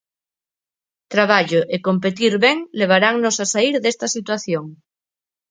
Traballo e competir ben levarannos a saír desta situación.